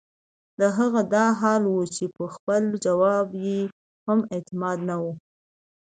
د هغه دا حال وۀ چې پۀ خپل جواب ئې هم اعتماد نۀ وۀ